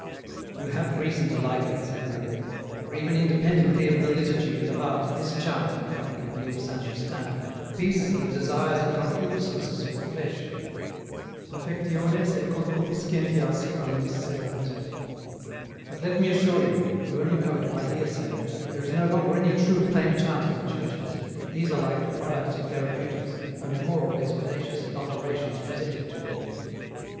" You have reason to like it," said the abb^, " for even independently of the liturgy and of art, this chant, if I may believe Saint Justin, appeases the desires and concupiscences of the flesh, ' aflFectiones et concupiscentias carnis sedat,' but let me assure you, you only know it by hearsay, there is no longer any true plain chant in the churches, these are like the products of therapeutics, only more or less audacious adulterations presented to you.